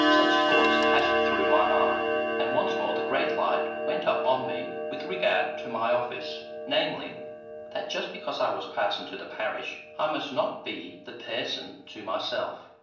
Such thoughts passed through my mind. And once more the great light went up on me with regard to my office, namely, that just because I was parson to the parish, I must not be THE PERSON to myself.